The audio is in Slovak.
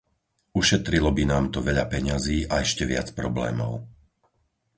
Ušetrilo by nám to veľa peňazí a ešte viac problémov.